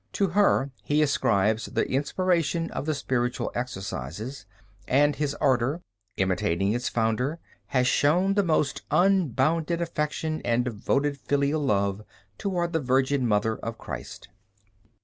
To her he ascribes the inspiration of the Spiritual Exercises, and his Order, imitating its founder, has shown the most unbounded affection and devoted filial love toward the Virgin Mother of Christ.